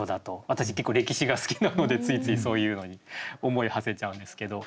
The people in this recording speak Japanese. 私結構歴史が好きなのでついついそういうのに思いはせちゃうんですけど。